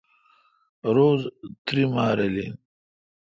روز تئری ماہ رل این